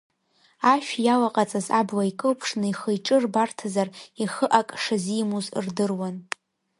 Ашә иалаҟаҵаз абла икылԥшны, ихы-иҿы рбарҭазар, ихы ак шазимуз рдыруан.